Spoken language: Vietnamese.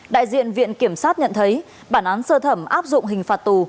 đại diện viện kiểm sát nhận thấy bản án sơ thẩm áp dụng hình phạt tù